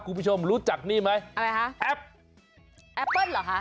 คุณผู้ชมรู้จักนี่ไหมอะไรฮะแอปแอปเปิ้ลเหรอคะ